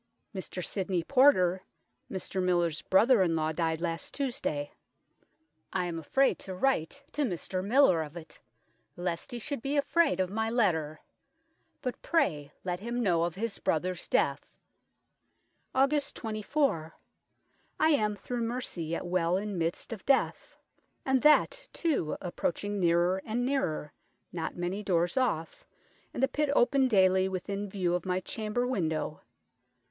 Mr Symond Porter, Mr Millers brother in law, dyed last Tuesday : I am afrayd to write to Mr Miller of it, lest he should bee afrayd of my letter ; but pray let him know of his brother's death." "Aug. 24. I am, through mercy, yet well in middest of death, and that, too, approaching neerer and neerer : not many doores off, and the pitt open dayly within view of my chamber window.